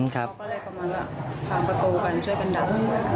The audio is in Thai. เขาก็เลยกำลังพาประตูกันช่วยกันดับ